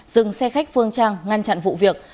dừng xe khách phương trang ngăn chặn vụ việc